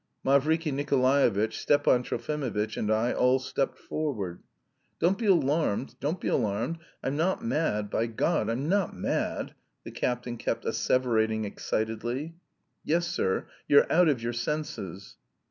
Mavriky Nikolaevitch, Stepan Trofimovitch, and I all stepped forward. "Don't be alarmed, don't be alarmed; I'm not mad, by God, I'm not mad," the captain kept asseverating excitedly. "Yes, sir, you're out of your senses."